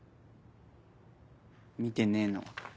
見てねえの？